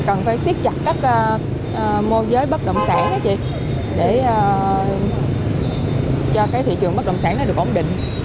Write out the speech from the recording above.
cần phải siết chặt các mô giới bất động sản để cho thị trường bất động sản